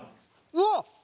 うわっ！